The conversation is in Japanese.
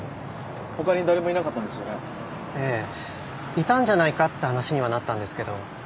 いたんじゃないかって話にはなったんですけど。